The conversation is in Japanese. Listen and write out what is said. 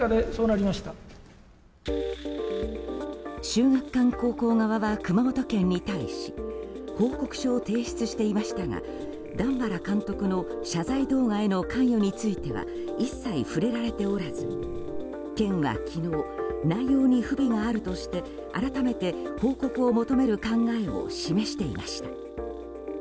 秀岳館高校側は熊本県に対し報告書を提出していましたが段原監督の謝罪動画への関与については一切触れられておらず県は昨日内容に不備があるとして改めて報告を求める考えを示していました。